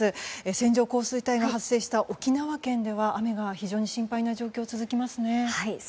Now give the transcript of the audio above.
線状降水帯が発生した沖縄県では雨が非常に心配な状況が続きますね。